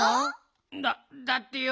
だっだってよ